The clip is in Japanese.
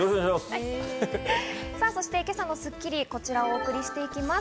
そして今朝の『スッキリ』こちらを送りしていきます。